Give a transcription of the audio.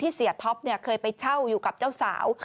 เสียท็อปเคยไปเช่าอยู่กับเจ้าสาว